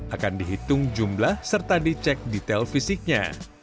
akan dihitung jumlah serta dicek detail fisiknya